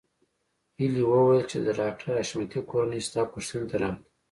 هيلې وویل چې د ډاکټر حشمتي کورنۍ ستا پوښتنې ته راغلې